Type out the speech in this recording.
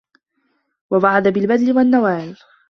وَوَعَدَ بِالْبَذْلِ وَالنَّوَالِ